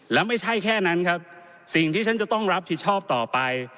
และไม่ใช่แค่นั้นครับสิ่งที่ฉันจะต้องรับผิดชอบต่อไป